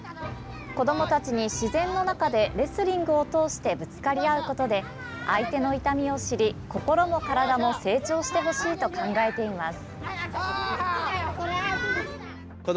子どもたちに自然の中でレスリングを通してぶつかり合うことで相手の痛みを知り心も体も成長してほしいと考えています。